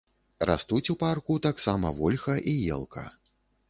Растуць у парку таксама вольха і елка.